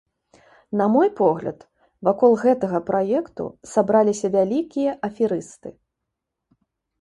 На мой погляд, вакол гэтага праекту сабраліся вялікія аферысты.